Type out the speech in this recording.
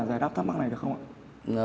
giải đáp thắc mắc này được không ạ